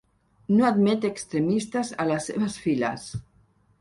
No admet extremistes a les seves files.